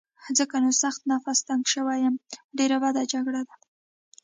ځکه نو سخت نفس تنګی شوی یم، ډېره بده جګړه ده.